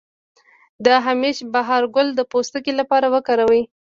د همیش بهار ګل د پوستکي لپاره وکاروئ